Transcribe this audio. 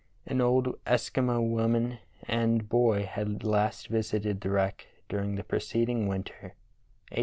An old Eskimo woman and boy had last visited the wreck during the preceding winter, 1857 8.